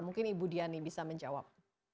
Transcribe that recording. mungkin ibu diani bisa menjawab